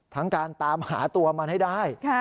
ทั้งการตามหาตัวมันให้ได้